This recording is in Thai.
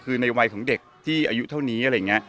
คือในวัยของเด็กที่อายุเท่านี้อะไรอย่างนี้